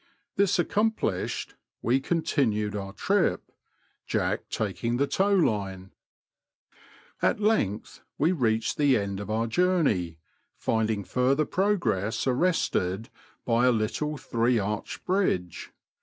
This accomplished, we continued our trip. Jack taking the tow line. At length we reached the end of our journey, finding further progress arrested by a little three arched bridge.